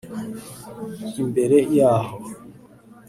Imbere yaho